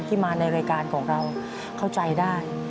ที่มาในรายการของเราเข้าใจได้